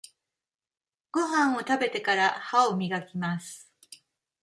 ごはんを食べてから、歯をみがきます。